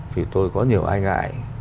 thì tôi có nhiều ai ngại